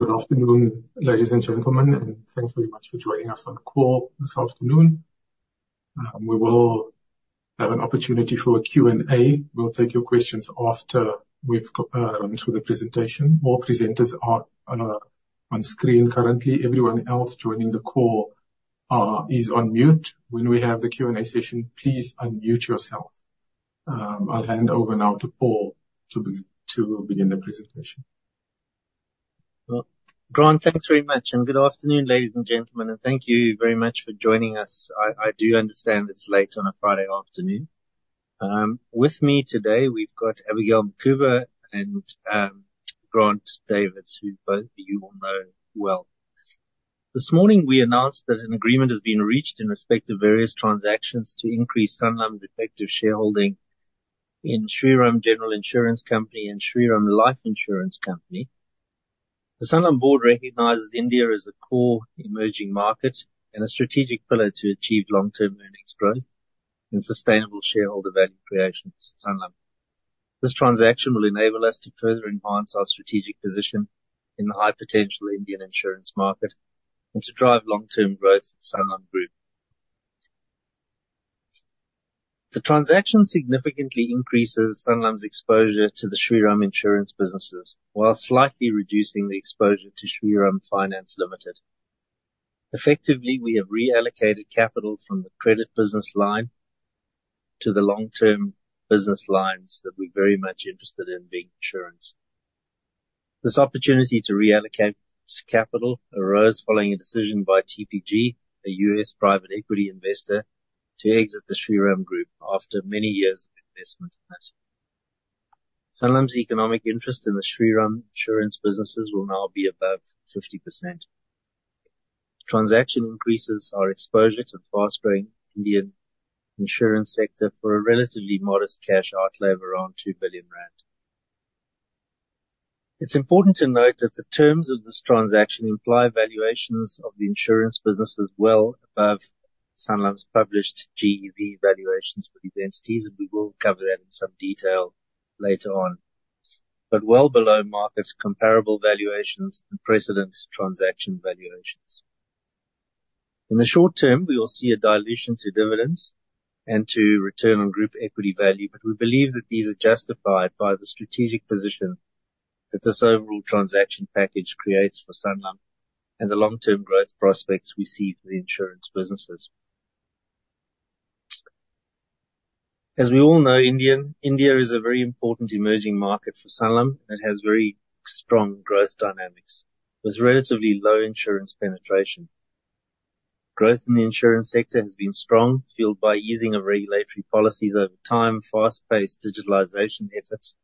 Good afternoon, ladies and gentlemen, and thanks very much for joining us on call this afternoon. We will have an opportunity for a Q&A. We'll take your questions after we've run through the presentation. All presenters are on screen currently. Everyone else joining the call is on mute. When we have the Q&A session, please unmute yourself. I'll hand over now to Paul to begin the presentation. Grant, thanks very much. And good afternoon, ladies and gentlemen, and thank you very much for joining us. I do understand it's late on a Friday afternoon. With me today, we've got Abigail Mukhuba and Grant Davids, who both you all know well. This morning we announced that an agreement has been reached in respect of various transactions to increase Sanlam's effective shareholding in Shriram General Insurance Company and Shriram Life Insurance Company. The Sanlam board recognizes India as a core emerging market and a strategic pillar to achieve long-term earnings growth and sustainable shareholder value creation for Sanlam. This transaction will enable us to further enhance our strategic position in the high-potential Indian insurance market and to drive long-term growth for Sanlam Group. The transaction significantly increases Sanlam's exposure to the Shriram Insurance businesses while slightly reducing the exposure to Shriram Finance Limited. Effectively, we have reallocated capital from the credit business line to the long-term business lines that we're very much interested in being insurance. This opportunity to reallocate capital arose following a decision by TPG, a U.S. private equity investor, to exit the Shriram Group after many years of investment in it. Sanlam's economic interest in the Shriram Insurance businesses will now be above 50%. The transaction increases our exposure to the fast-growing Indian insurance sector for a relatively modest cash outlay of around 2 billion rand. It's important to note that the terms of this transaction imply valuations of the insurance businesses well above Sanlam's published GEV valuations for these entities, and we will cover that in some detail later on, but well below market-comparable valuations and precedent transaction valuations. In the short term, we will see a dilution to dividends and to return on group equity value, but we believe that these are justified by the strategic position that this overall transaction package creates for Sanlam and the long-term growth prospects we see for the insurance businesses. As we all know, India is a very important emerging market for Sanlam, and it has very strong growth dynamics with relatively low insurance penetration. Growth in the insurance sector has been strong, fueled by easing of regulatory policies over time, fast-paced digitalization efforts,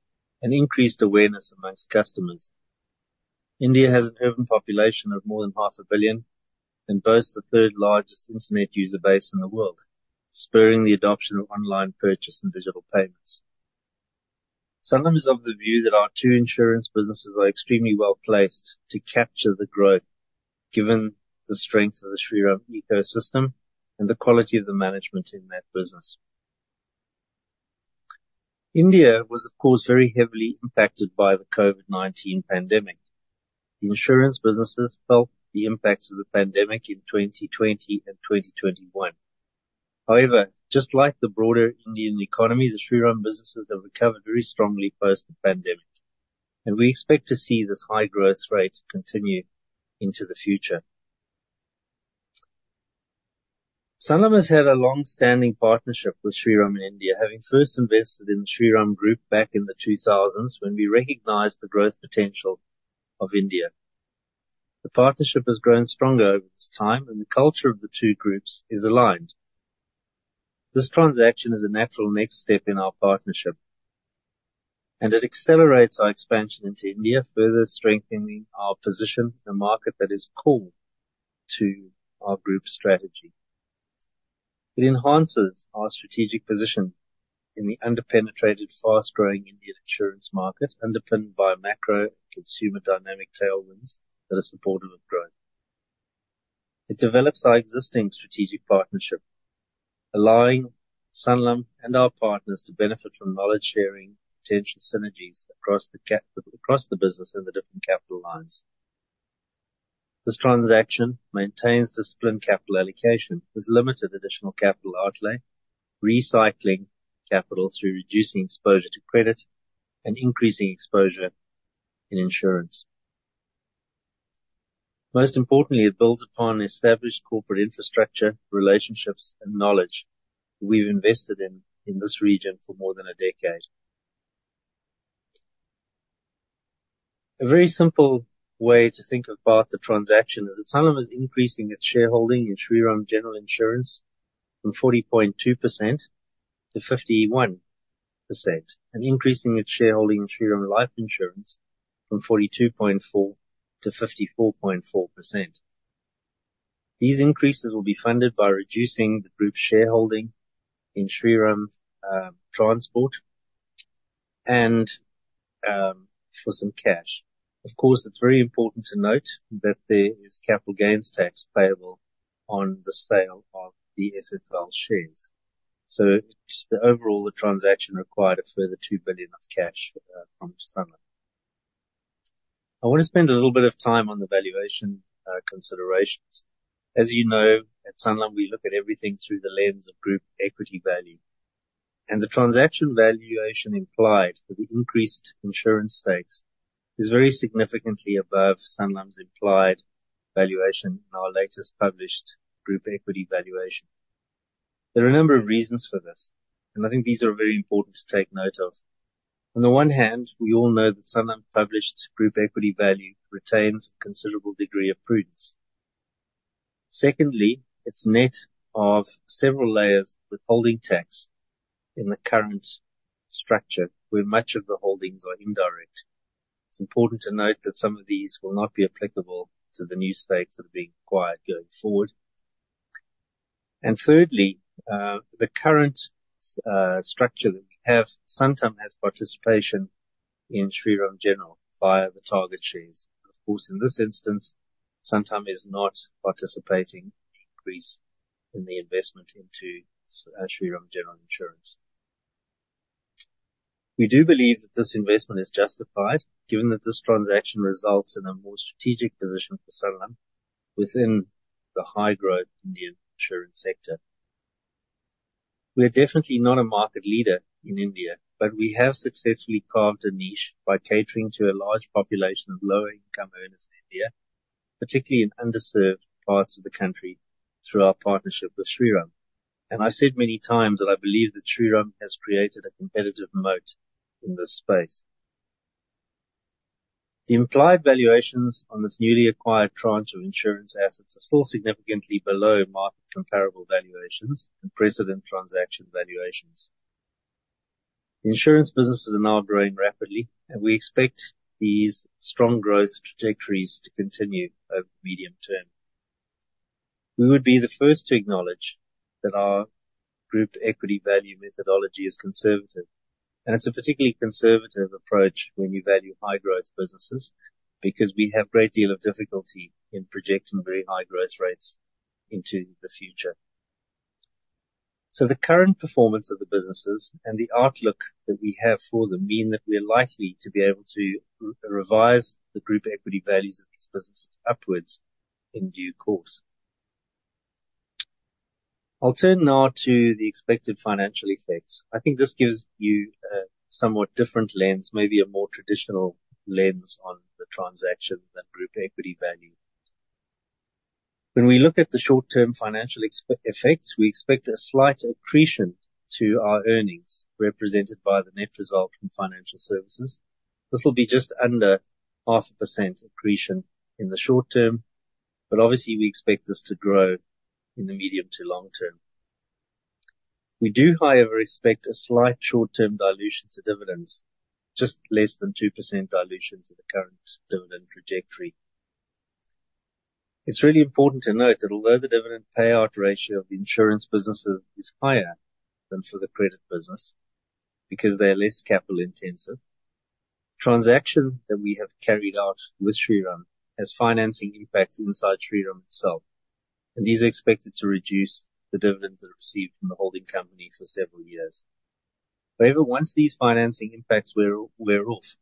and increased awareness among customers. India has an urban population of more than 500 million and boasts the third-largest internet user base in the world, spurring the adoption of online purchase and digital payments. Sanlam is of the view that our two insurance businesses are extremely well-placed to capture the growth given the strength of the Shriram ecosystem and the quality of the management in that business. India was, of course, very heavily impacted by the COVID-19 pandemic. The insurance businesses felt the impacts of the pandemic in 2020 and 2021. However, just like the broader Indian economy, the Shriram businesses have recovered very strongly post-pandemic, and we expect to see this high growth rate continue into the future. Sanlam has had a long-standing partnership with Shriram and India, having first invested in the Shriram Group back in the 2000s when we recognized the growth potential of India. The partnership has grown stronger over this time, and the culture of the two groups is aligned. This transaction is a natural next step in our partnership, and it accelerates our expansion into India, further strengthening our position in a market that is core to our group's strategy. It enhances our strategic position in the under-penetrated, fast-growing Indian insurance market, underpinned by macro and consumer dynamic tailwinds that are supportive of growth. It develops our existing strategic partnership, allowing Sanlam and our partners to benefit from knowledge-sharing potential synergies across the business and the different capital lines. This transaction maintains disciplined capital allocation with limited additional capital outlay, recycling capital through reducing exposure to credit and increasing exposure in insurance. Most importantly, it builds upon established corporate infrastructure, relationships, and knowledge that we've invested in this region for more than a decade. A very simple way to think about the transaction is that Sanlam is increasing its shareholding in Shriram General Insurance from 40.2%-51% and increasing its shareholding in Shriram Life Insurance from 42.4%-54.4%. These increases will be funded by reducing the group's shareholding in Shriram Transport and for some cash. Of course, it's very important to note that there is capital gains tax payable on the sale of the SFL shares. So it's overall the transaction required a further 2 billion of cash from Sanlam. I want to spend a little bit of time on the valuation considerations. As you know, at Sanlam, we look at everything through the lens of group equity value, and the transaction valuation implied for the increased insurance stakes is very significantly above Sanlam's implied valuation in our latest published group equity valuation. There are a number of reasons for this, and I think these are very important to take note of. On the one hand, we all know that Sanlam's published group equity value retains a considerable degree of prudence. Secondly, it's net of several layers withholding tax in the current structure, where much of the holdings are indirect. It's important to note that some of these will not be applicable to the new stakes that are being acquired going forward. And thirdly, the current, structure that we have, Sanlam has participation in Shriram General via the target shares. Of course, in this instance, Sanlam is not participating in the increase in the investment into, Shriram General Insurance. We do believe that this investment is justified, given that this transaction results in a more strategic position for Sanlam within the high-growth Indian insurance sector. We are definitely not a market leader in India, but we have successfully carved a niche by catering to a large population of lower-income earners in India, particularly in underserved parts of the country through our partnership with Shriram. I've said many times that I believe that Shriram has created a competitive moat in this space. The implied valuations on this newly acquired tranche of insurance assets are still significantly below market-comparable valuations and precedent transaction valuations. The insurance businesses are now growing rapidly, and we expect these strong growth trajectories to continue over the medium term. We would be the first to acknowledge that our group equity value methodology is conservative, and it's a particularly conservative approach when you value high-growth businesses because we have a great deal of difficulty in projecting very high growth rates into the future. So the current performance of the businesses and the outlook that we have for them mean that we are likely to be able to revise the group equity values of these businesses upwards in due course. I'll turn now to the expected financial effects. I think this gives you a somewhat different lens, maybe a more traditional lens on the transaction than group equity value. When we look at the short-term financial expected effects, we expect a slight accretion to our earnings represented by the net result from financial services. This will be just under 0.5% accretion in the short term, but obviously we expect this to grow in the medium to long term. We do, however, expect a slight short-term dilution to dividends, just less than 2% dilution to the current dividend trajectory. It's really important to note that although the dividend payout ratio of the insurance businesses is higher than for the credit business because they are less capital-intensive, the transaction that we have carried out with Shriram has financing impacts inside Shriram itself, and these are expected to reduce the dividends that are received from the holding company for several years. However, once these financing impacts wear off,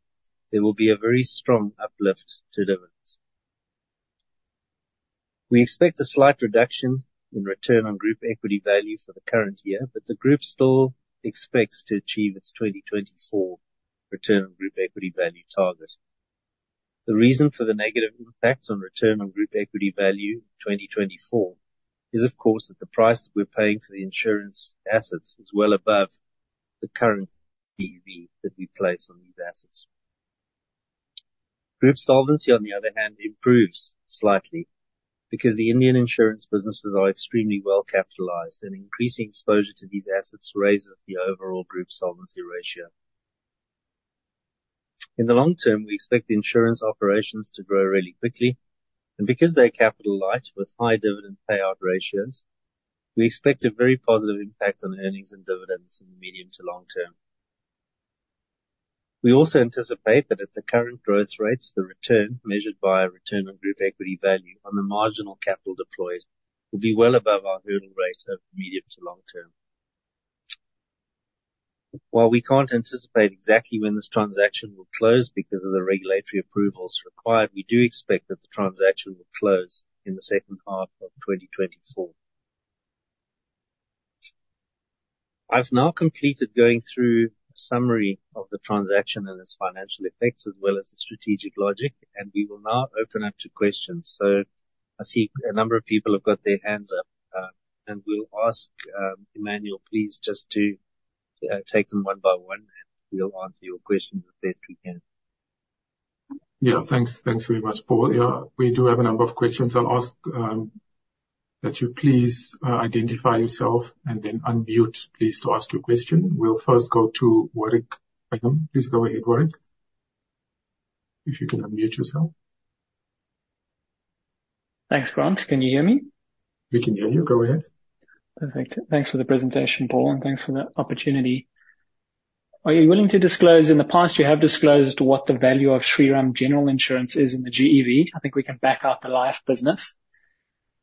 there will be a very strong uplift to dividends. We expect a slight reduction in return on group equity value for the current year, but the group still expects to achieve its 2024 return on group equity value target. The reason for the negative impact on return on group equity value in 2024 is, of course, that the price that we're paying for the insurance assets is well above the current GEV that we place on these assets. Group solvency, on the other hand, improves slightly because the Indian insurance businesses are extremely well-capitalized, and increasing exposure to these assets raises the overall group solvency ratio. In the long term, we expect the insurance operations to grow really quickly, and because they're capital-light with high dividend payout ratios, we expect a very positive impact on earnings and dividends in the medium to long term. We also anticipate that at the current growth rates, the return measured by Return on Group Equity Value on the marginal capital deployed will be well above our hurdle rate over the medium to long term. While we can't anticipate exactly when this transaction will close because of the regulatory approvals required, we do expect that the transaction will close in the second half of 2024. I've now completed going through a summary of the transaction and its financial effects as well as the strategic logic, and we will now open up to questions. So I see a number of people have got their hands up, and we'll ask Emmanuel, please, just to take them one by one, and we'll answer your questions as best we can. Yeah, thanks. Thanks very much, Paul. Yeah, we do have a number of questions. I'll ask that you please identify yourself and then unmute, please, to ask your question. We'll first go to Warwick Bingham. Please go ahead, Warwick, if you can unmute yourself. Thanks, Grant. Can you hear me? We can hear you. Go ahead. Perfect. Thanks for the presentation, Paul, and thanks for the opportunity. Are you willing to disclose? In the past you have disclosed what the value of Shriram General Insurance is in the GEV? I think we can back out the life business,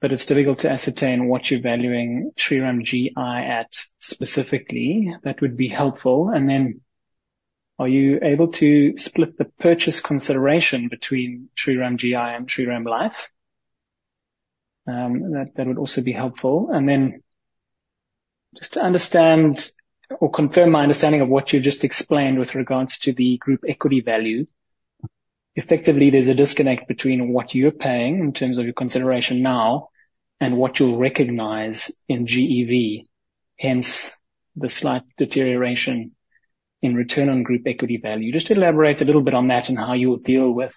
but it's difficult to ascertain what you're valuing Shriram GI at specifically. That would be helpful. And then are you able to split the purchase consideration between Shriram GI and Shriram Life? That would also be helpful. And then just to understand or confirm my understanding of what you've just explained with regards to the group equity value, effectively, there's a disconnect between what you're paying in terms of your consideration now and what you'll recognize in GEV, hence the slight deterioration in return on group equity value. Just elaborate a little bit on that and how you'll deal with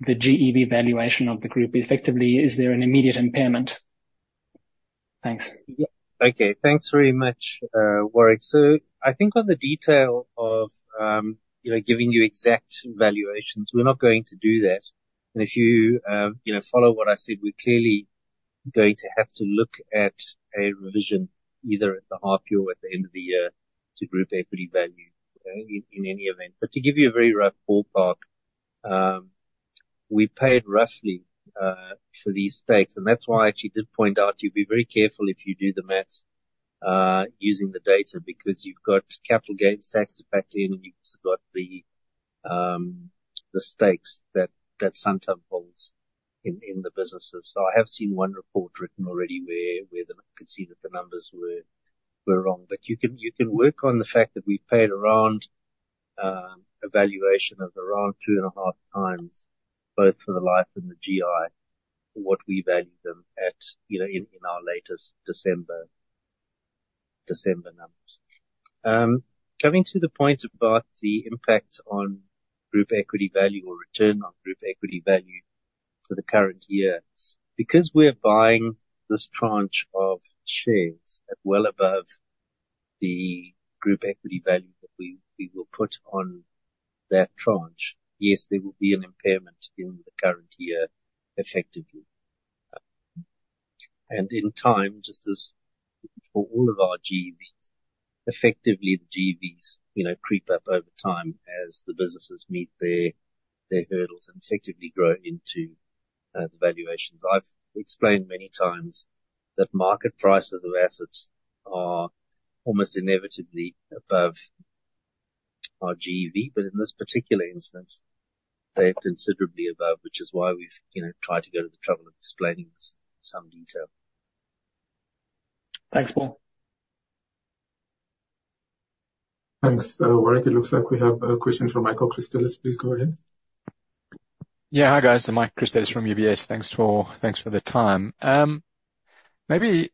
the GEV valuation of the group. Effectively, is there an immediate impairment? Thanks. Yeah. Okay. Thanks very much, Warwick. So I think on the detail of, you know, giving you exact valuations, we're not going to do that. If you, you know, follow what I said, we're clearly going to have to look at a revision either at the half year or at the end of the year to group equity value in any event. To give you a very rough ballpark, we paid roughly for these stakes, and that's why I actually did point out you'd be very careful if you do the math, using the data because you've got capital gains tax to factor in, and you've got the stakes that Sanlam holds in the businesses. So I have seen one report written already where the I could see that the numbers were wrong, but you can work on the fact that we paid around a valuation of around 2.5x, both for the life and the GI, what we value them at, you know, in our latest December numbers. Coming to the points about the impact on group equity value or return on group equity value for the current year, because we're buying this tranche of shares at well above the group equity value that we will put on that tranche, yes, there will be an impairment in the current year, effectively. And in time, just as for all of our GEVs, effectively, the GEVs, you know, creep up over time as the businesses meet their hurdles and effectively grow into the valuations. I've explained many times that market prices of assets are almost inevitably above our GEV, but in this particular instance, they're considerably above, which is why we've, you know, tried to go to the trouble of explaining this in some detail. Thanks, Paul. Thanks, Warwick. It looks like we have a question from Michael Christelis. Please go ahead. Yeah, hi guys. I'm Mike Christelis from UBS. Thanks for the time. Maybe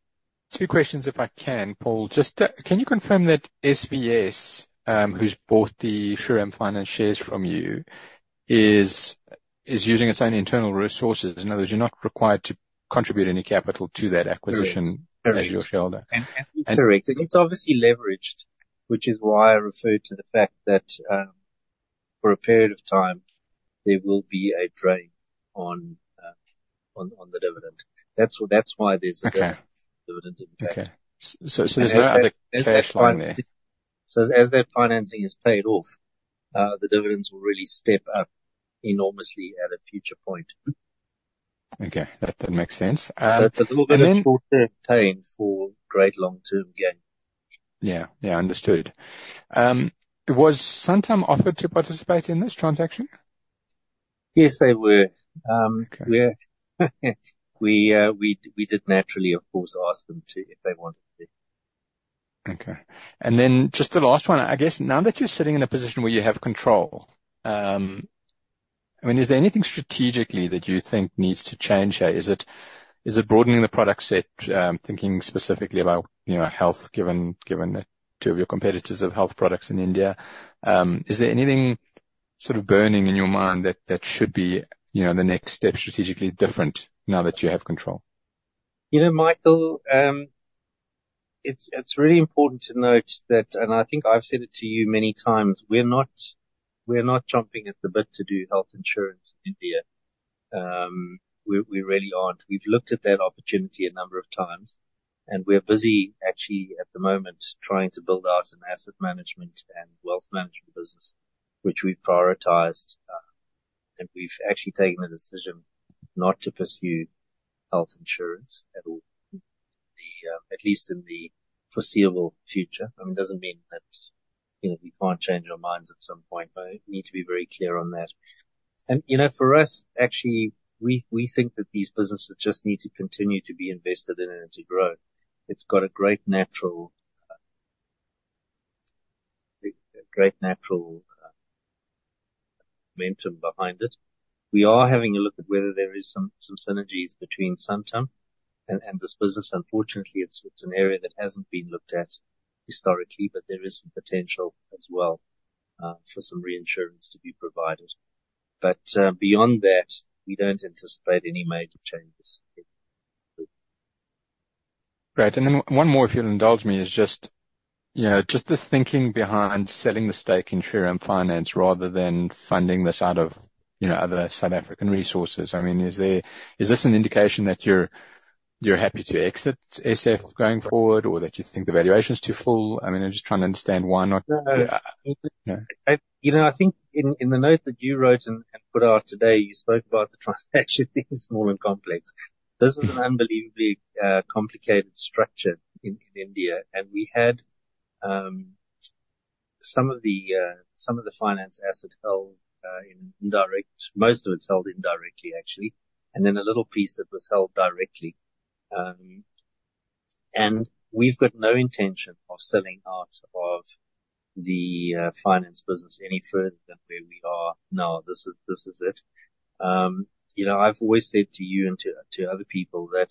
two questions if I can, Paul. Just can you confirm that SVS, who's bought the Shriram Finance shares from you, is using its own internal resources? In other words, you're not required to contribute any capital to that acquisition as your shareholder. And correct. And it's obviously leveraged, which is why I referred to the fact that, for a period of time, there will be a drain on the dividend. That's why there's a dividend impact. Okay. So there's no other cash line. So as that financing is paid off, the dividends will really step up enormously at a future point. Okay. That makes sense. And it's a little bit of short-term pain for great long-term gain. Yeah. Yeah. Understood. Was Sanlam offered to participate in this transaction? Yes, they were. We did naturally, of course, ask them if they wanted to. Okay. And then just the last one, I guess, now that you're sitting in a position where you have control, I mean, is there anything strategically that you think needs to change here? Is it broadening the product set, thinking specifically about, you know, health, given that two of your competitors have health products in India? Is there anything sort of burning in your mind that should be, you know, the next step strategically different now that you have control? You know, Michael, it's really important to note that and I think I've said it to you many times, we're not jumping at the bit to do health insurance in India. We really aren't. We've looked at that opportunity a number of times, and we're busy, actually, at the moment trying to build out an asset management and wealth management business, which we've prioritized, and we've actually taken the decision not to pursue health insurance at all, at least in the foreseeable future. I mean, it doesn't mean that, you know, we can't change our minds at some point, but I need to be very clear on that. And, you know, for us, actually, we think that these businesses just need to continue to be invested in and to grow. It's got a great natural momentum behind it. We are having a look at whether there is some synergies between Sanlam and this business. Unfortunately, it's an area that hasn't been looked at historically, but there is some potential as well, for some reinsurance to be provided. But, beyond that, we don't anticipate any major changes. Great. And then one more, if you'll indulge me, is just, you know, just the thinking behind selling the stake in Shriram Finance rather than funding this out of, you know, other South African resources. I mean, is this an indication that you're happy to exit SF going forward or that you think the valuation's too full? I mean, I'm just trying to understand why not. No. You know, I think in the note that you wrote and put out today, you spoke about the transaction being small and complex. This is an unbelievably complicated structure in India. And we had some of the finance asset held indirectly—most of it's held indirectly, actually, and then a little piece that was held directly. And we've got no intention of selling out of the finance business any further than where we are now. This is it. You know, I've always said to you and to other people that,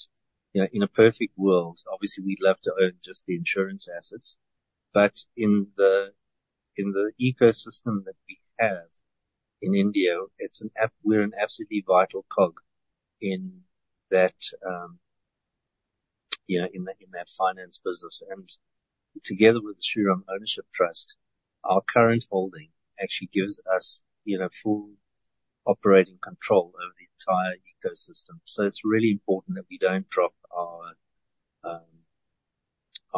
you know, in a perfect world, obviously, we'd love to own just the insurance assets, but in the ecosystem that we have in India, it's, we're an absolutely vital cog in that, you know, in that finance business. And together with the Shriram Ownership Trust, our current holding actually gives us, you know, full operating control over the entire ecosystem. So it's really important that we don't drop our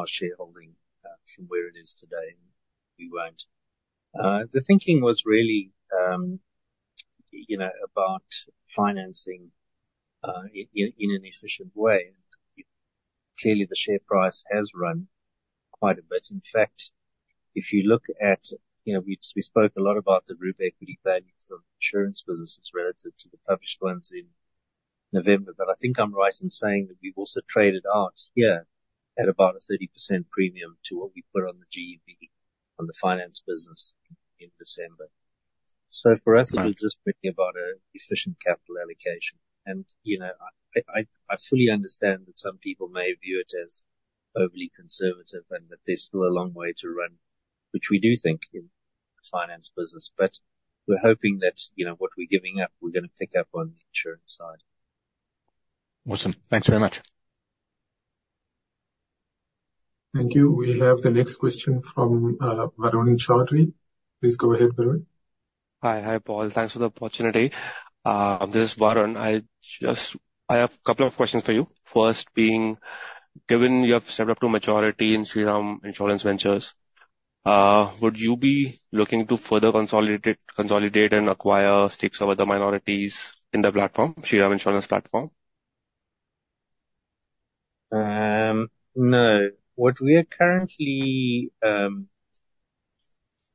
shareholding from where it is today, and we won't. The thinking was really, you know, about financing in an efficient way. And clearly, the share price has run quite a bit. In fact, if you look at, you know, we spoke a lot about the group equity values of insurance businesses relative to the published ones in November, but I think I'm right in saying that we've also traded out here at about a 30% premium to what we put on the GEV on the finance business in December. So for us, it was just really about an efficient capital allocation. And, you know, I fully understand that some people may view it as overly conservative and that there's still a long way to run, which we do think in the finance business. But we're hoping that, you know, what we're giving up, we're going to pick up on the insurance side. Awesome. Thanks very much. Thank you. We have the next question from Varun Chowdhury. Please go ahead, Varun. Hi. Hi, Paul. Thanks for the opportunity. This is Varun. I just have a couple of questions for you. First, being given you have set up to a majority in Shriram Insurance Ventures, would you be looking to further consolidate and acquire stakes of other minorities in the platform, Shriram Insurance platform? No. What we are currently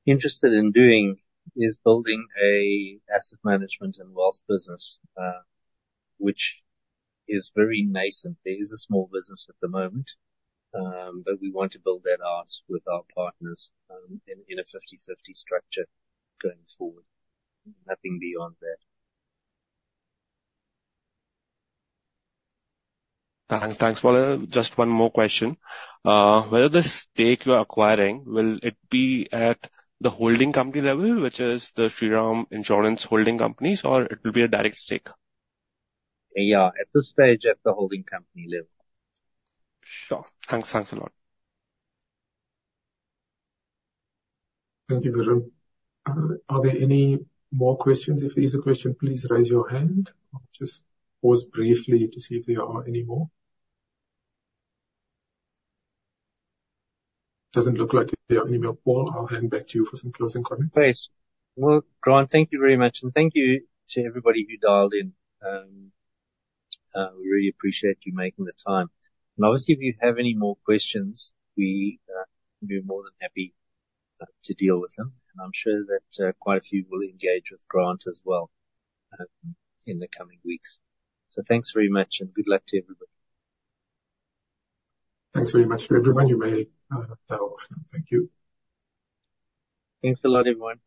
interested in doing is building a asset management and wealth business, which is very nascent. There is a small business at the moment, but we want to build that out with our partners, in a 50/50 structure going forward, nothing beyond that. Thanks. Thanks, Paul. Just one more question. Whether the stake you're acquiring, will it be at the holding company level, which is the Shriram Insurance holding companies, or it will be a direct stake? Yeah, at this stage, at the holding company level. Sure. Thanks. Thanks a lot. Thank you, Varun. Are there any more questions? If there is a question, please raise your hand. I'll just pause briefly to see if there are any more. Doesn't look like there are any more, Paul. I'll hand back to you for some closing comments. Great. Well, Grant, thank you very much. And thank you to everybody who dialed in. We really appreciate you making the time. And obviously, if you have any more questions, we're more than happy to deal with them. And I'm sure that quite a few will engage with Grant as well in the coming weeks. So thanks very much and good luck to everybody. Thanks very much to everyone. You made it, powerful. Thank you. Thanks a lot, everyone.